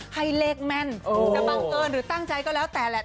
ให้เลขแม่นหรือตั้งใจก็แล้วแต่แหละ